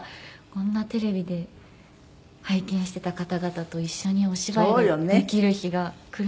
こんなテレビで拝見していた方々と一緒にお芝居ができる日が来るなんて。